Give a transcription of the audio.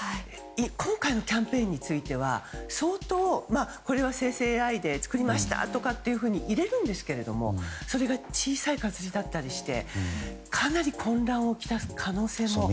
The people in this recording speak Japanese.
今回のキャンペーンについてはこれは生成ＡＩで作りましたというふうに入れるんですがそれが小さい活字だったりして入れているんですがかなり混乱をきたす可能性もあります。